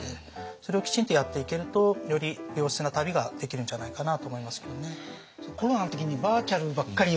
それをきちんとやっていけるとより良質な旅ができるんじゃないかなと思いますけどね。